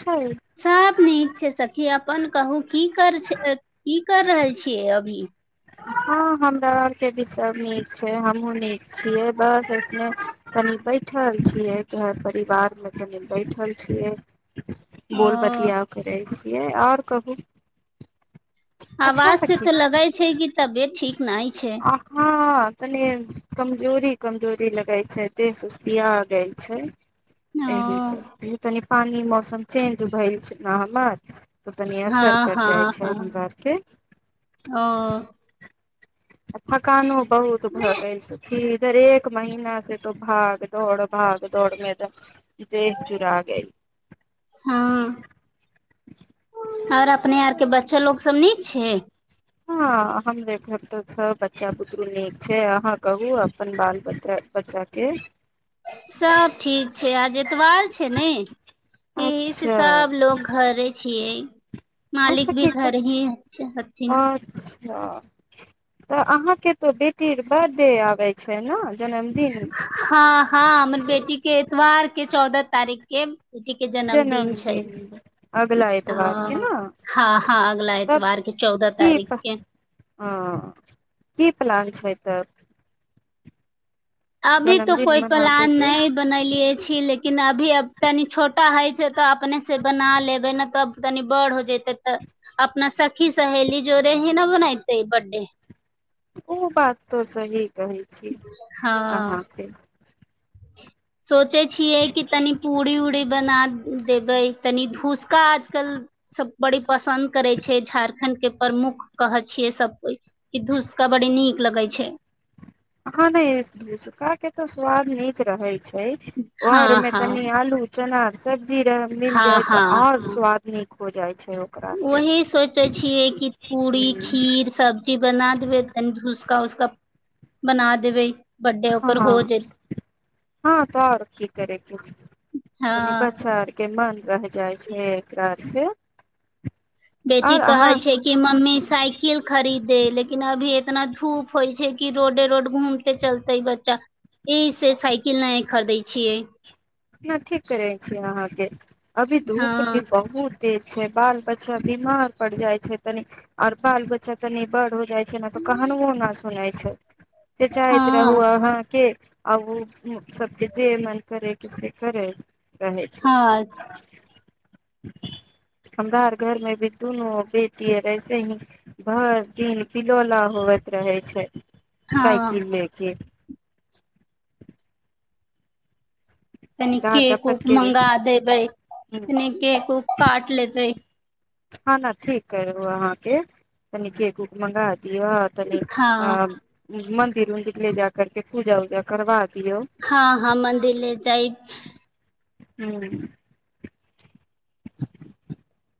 छै सब नीक छै सखी अपन कहू की कर की कर रहल छियै अभी हँ हमरा आरके भी सब नीक छै हमहुूँ नीक छियै बस ऐसने कनि बैठल छियै घर परिवार मे कनि बैठल छियै ओ बोलबतििया करै छै ै आओर कहू आवाज से तऽ लगै छै कि तबियत ठीक नहि छै आ हँ तनी कमजोरी कम जोरी लगे छै दे सुस्तिया गेल छै ओ ए चल तनि पानी मौसम चेंज भेल छै ने हमर तऽ तनी हँ असर कर जाइ हँ छै हँ हमरा आरके ओ आ थकानो बहुत भऽ गेल छथि इधर एक महीनासँ तो भाग दौड़ भाग दौड़ मैदर दे चुरा गई हँ आओर अपने आर के बच्चा लोको सब नीक छै हँ हम देखर तऽ सभ बच्चा बुतरू नीक छै अहाँ कहू अपन बाल बच्च बच्चाके सब ठीक छै आ एतबार छै ने एहिह से अच्छा सबलोग घरे छियै मालिक अच्छा भी की घर हीथिन ह तऽ अहाँके तो बेट तीर ब देब छै ने जन्मदिन हँ हँ हमर छै बेटी के एतवार के चौदह तारीख केम जनमदिन अगला एतबार केना हँ हँ हँ अगला तब एतवार के चौदह की तारीख ह के की प्लान छै तऽ अभी तो कोइ मनाबे प्लान के नहि बनलियै छी लेकिन लेकिन अभी तनि छोटा हइ छै तऽ अपने से बना लेबै ने तब तनी बड़ हो जतेै तऽ अपना सखी सहेली जो रहे ह ने बनेते बर्थडे ओ बात तोरस ही कहै छी हँ अहाँके [inaudible] सोचै छियै कि तनि पूरी उरीी बना देबै तनी भूस ु्का आजकल सब बड़ी पसन्द करै छै झारखण्ड के पर मुख कहै छियै सबकुछ कि धूसका बड़ी नीक लगे छै हह ने भूसका के तो स्वाद नीक रहे छै हँ घर मे हँ तनी आलू चना सब्जी मिल हँ जाय त और हँ स्वाद नीक हो जाइत छै ओकरा आरके वही सोचै छियै कि पूरी हूं खीर सब्जी बना देबै तनीस का उसका बना देबै बर्थडे हँ ओकर हो जेत हँ तो आओर की करे कि हँ कनि बच्चा आर के मन रहि जाइ छै एकरा आर से ह बेटी कहै छै कि मम्मी साइकिल खरीदे लेकिन अभी ए इतना धूप होइ छै कि रोडे रोड घूमते चलते बच्चा एहि से साइकिल नहि खरीदै छियै हम ठीक करै छीियै अहाँके अभी धूप भी हँ बहुत तेज छै बाल बच्चा बिमार पड़ जाइ छै तनि आर बाल बच्चा तनि बड़ हो जाइ छै ने तऽ कहनओ नहि सुनै छै से चाहैत हँ रहुहाँ के अ ओ सभके ज मन कररे क से करै रहै छै हँ हमरार घर मे भी दुननो बेटी ह ऐसे ही भरि दिन पिलौला होवत रहे छै साइकिल हँ ले के कनि दाँत केक उक दपत के मंगा देबै कनि केक उक काट लेतै हँ ने ठीक करू अहाँ के तनि केक उक मंगा दे दि तनी हँ आ मंदिर उंदिर ले जा करके पूजा उजा करबा दियौ हँ हँ मन्दिर ले जाइ हू [unintelligible]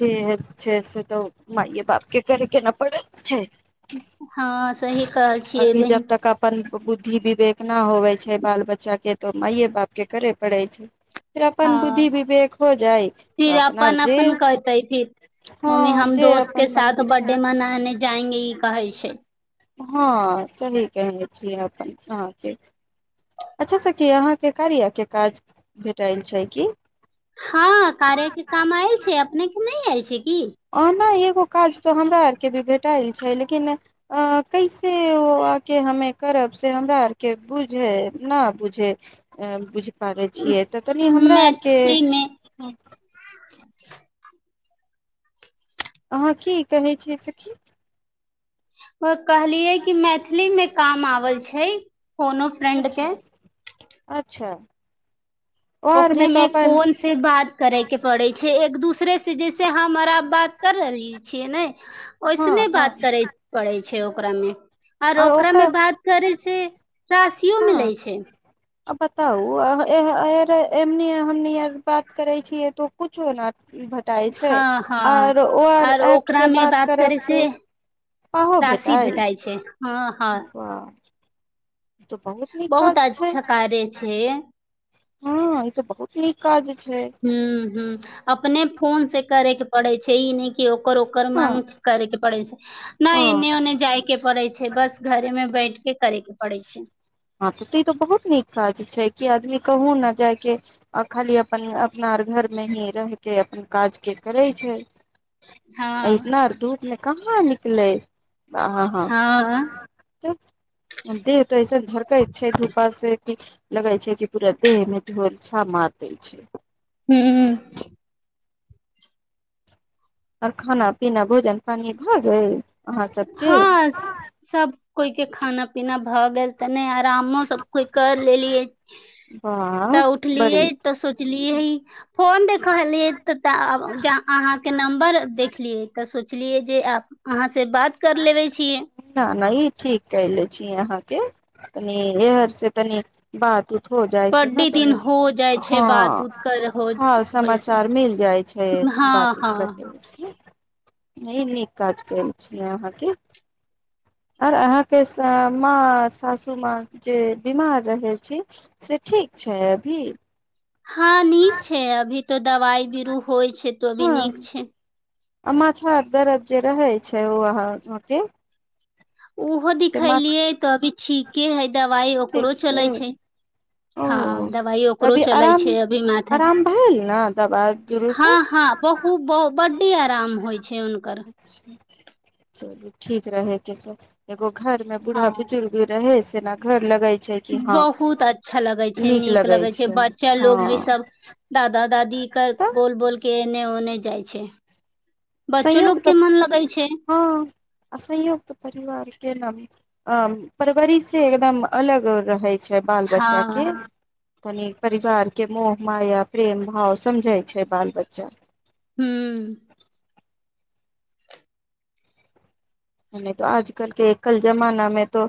छैस छै से तऽ मइए बापके कर के न प छै ज हँ सही कहल छियै अभी बहिन जब तक अपन बुद्धि विवेक न होवे छै बाल बच्चा के तऽ मायए बाप के करे पड़ै छै फेर अपन हँ बुद्धि विवेक हो जाइ तऽ फिर अपना अपन जे अपन कहते फिर मम्मी हँ हम जे दोस्त के अपन मन साथ बर्थडे बुझाय मनाने जाएंगे ई कहै छै हँ सही कहने छी अपन अहाँके अच्छा सखी अहाँके कार्याके काज भेटल छै की हँ कार्या के काम आयल छै अपने के नहि आयल छै की अना एगो काज तऽ हमरा आर के भी भेट टाइल छै लेकिन अ कैसे ओ आके हमे करब से हमरा आर के बुझे न बुझे बुझ बुझ पाबै छियै तऽ तनि हमरा आरके मैथिली मे अहाँ की कहै छियै सखी कहलियै कि मैथिली मे काम आबल छै कोनो फ्रेंड के अच्छा अच्छा ओर मे ओकरे तऽ में अपन फोन से बात करे के पड़े छै छै एक दूसरेसँ जैसे हमरा बात कर रहली छियै ने हँ ओहिसने हँ बात करे पड़े छै छै ओकरामे आओर आर ओकरा मे ओकर बात करै छै राशियो हँ मिलै छै बताउ बात करे छियै तो कुछु नहि भेटाइ छै हँ हँ आर ओ आर ओकरा एपसँ मे बात करे करब तऽ से पाहहो राशि भेटल भेटाइ छै हँ हँ ओ ई बहुत छै अच्छा कार्य छै हँ ई तऽ बहुत नीक काज छै ह ह अपने फोन से कर एक पड़ै छै ई नहि कि ओ ओकर हँ मग करैके पड़ै छै नहि ओ एने ओने जाइके पड़ै छै बस घरे मे बैठ के करे के पड़ै छै हँ तऽ तऽ ई तऽ बहुत नीक काज छै कि आदमी कहूँ ने जाय कऽ आ खाली अपन अपना अर घरमे ही रहि कऽ अपन काजके करै छै हँ ऐतना धुप मे कहाँ निकलै आ हँ दे त ऐसन झरकै कहै छै धूपा से कि लगै छै कि पूरा देह में ढोलछा मार दै छै हू आर खाना पीना भोजन पानि भए गेल अहाँ सबके हँ सब कोइ के खाना पीना भऽ गेल त आरामो सब कर लेलिय वाह तऽ उठलिय बड़ी तऽ सोचलियै फोन देखलियै तऽ अहाँ के नंबर देखलियै तऽ पुछलियै जे अहाँ से बात कर लेबे छियै न न ई ठीक कले छी अहाँ के कनी इहर से तनि बात हो जाइ छै ने बड्डे दिन तनि हो जाइ छै बात हँ उत कर हो हँ होइ से समाचार मिल जाइ छै हँ बातत कर ले हँ नहि नीक काज कल छै अहाँके आर अहाँके माँ सासूमाँ जे बीमार रहै छी से ठीक छै अभी हँ नीक छै अभी तो दवाइ बीरो होइ छै तो भी हँ नीक छै आ माथा आ दरद जे रहै छै ओहाँ ओहो दिखलियै तऽ अभी ठीके हय दबाइ ओकरो चलै छै ओ हँ दबाइ ओकरो कभी चलै आराम छै अभी माथे आराम भेल ने दबाइ जुरू से हँ हँ बहु बड्डी आराम होइ छै हुनकर अच्छा चलू ठीक रह कैस एगो घर में हँ बूढ़ा बुजुर्गी रहै ना घर लगाइ छै कि हँ बहुत अच्छा लगे छै नीक लगे छै बच्चा लोग भी सब दादा दादी के तऽ बोल बोल के ओने ओने जाइ छै बच्चो लोग के मन लगै छै असयुक्त परिवार के ने अ परवरि से एकदम अलग रहै छै छै बाल हँ बच्चाे तनि परिवारके मोह माया प्रेम भाव समझै छै बाल बच्चा हू नहि तऽ आजकल के एकल जमाना मे तो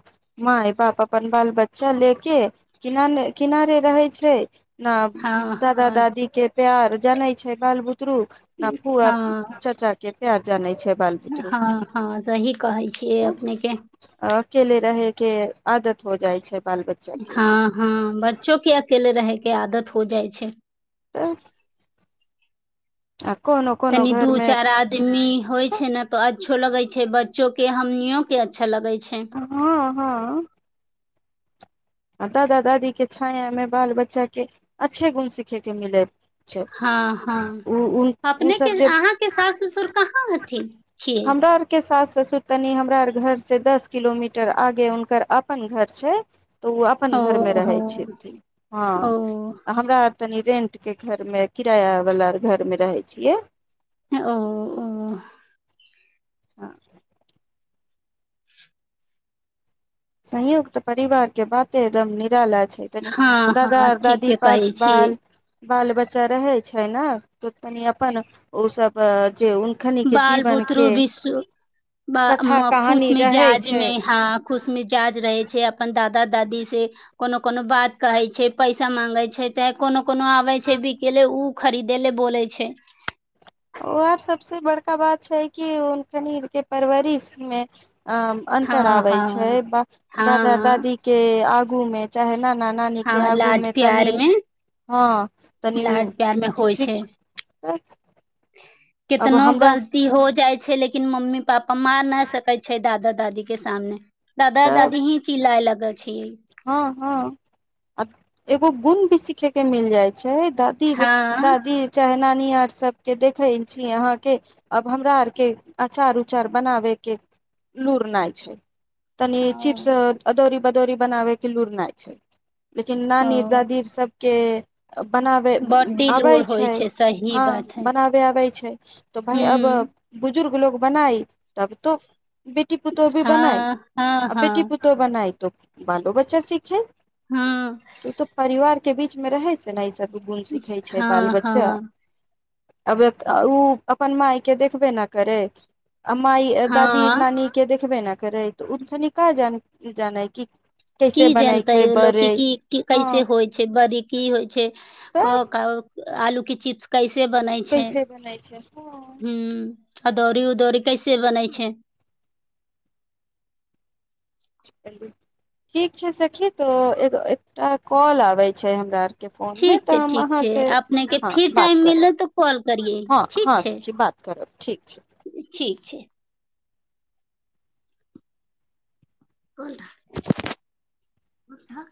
माय बाप अपन बाल बच्चा ले के किनारे किनारे रहै छै हँ न दादा हँ दादी के प्यार जानै छै बाल बुत ु न पुअ हँ चच कतेक आर जानै छै बाल बुतरू हँ हँ सही कहै छियै अपनेके केेले रहके आदत हो जाइ छै बाल बच्चा के हँ हँ बच्चो के अकेले रहके आदत हो जाइ छै तऽ आ कोनो कोनो तनी दू घर मे चारि आदमी होइ छै ने तऽ अच्छो लगै छै ब जो के हमनिो के अच्छा लगे छै हँ हँ आ दादा दादीे छायायामे बाल बच्चाके अच्छे गुण सिखयके मिले छै हँ हँ उ उ सब अपनेके जे अहाँके सास ससुर कहाँ हथिन छियै हमरा आर के सास ससुतनी हमरा घर से दस किलोमीटर आगे हुनकर अपन घर छै तऽ ओ अपन घरमे रहै ओहो छथिन ओ हँ हमरा आर तनी रेंट के घर मे किराया वाला घर मे रहै छियै ओ ओ हँ संयुक्त परिवार के बातेदम निरााल तनी हँ दादा हँ दादी ठीके पास कहै छियै बाल बाल बच्चा रहै छै ने तऽ तनि अपन ओ सब जे उनखनी के बाल जीवन बुतरु के विश्व कथा कहानी रहै छै खुशमिजाजमे हँ खुशमिज जााज रहे छै अपन दादा दादी से कोनो कोनो बात कहे छै पैसा मांगे छै छै चाहे कोनो कोनो आबै छै बिकेले ओ खरीदे ले बोलै छै ओ आर सबस बड़का बात छै किनि के परवरिशमे अ हँ अन्तर आबे छै हँ ब दादा हँ दादी के आग घुमे चाहे न अप नानी के हँ लाड आगूमे तनि प्यार मे हँ तनि ओ लाड प्यार मे होइ छै सीख अब कितनो हमरा गलती हो जाइ छै लेकिन मम्मी पापा मार नहि सकै छै दादा दादी के सामने दादा तऽ दादी ही चिलिलए लगत छी हँ हँ एगो गुण भी सीखे के मिल जायत छै छै दादी हँ दादी चाहे कनि आर सबके देखै छी अहाँके अब हमरा आरके अचार उचार बनाबैके लुरनाइ छै तनी ओ चीप्स अद पोरी बनाबेके लूुरना छै लेकिन न ओ निर् दादीप सबके बनाब बड्डी आबै लूड़ होइ छै सही हँ बात है बनाबै आबै छै तऽ भाय हूँ अबु बुजुर्ग लोकोग बनाइ तब तो बेटी पुतोहु भी बनाइ हँ हँ आ बेटी हँ पुतहु बनाई तऽ बालो बच्चा सीखै हँ तू तऽ परिवार के बीच मे रहै से नहि सक दुगुन सिखै छै बाल हँ बच्चा हँ आब ओ अपन माायके देखबे न करै माइ दादी हँ नानी के देखबे नहि करै तऽ ओ कनि क जान जानै कि की कैसे बनै जनते छै ओ लोक बड़े क की हँ कैसे होइ छै बड़ी की होइ छै तऽ आलू चिपस क इ से बनै छै कैसे बनै छै हँ ह अदौरी उदौरी कैसे बनै छै ठीक छै सखी तऽ एो एकटा कॉल आबैत छै हमरा आर ठीक छै ठीक छै अपने के हँ फर बात टाइम करब मिलल तऽ कॉल करियै हँ ठीक हँ छै सखी बात करब ठीक छै ठीक छै कोन को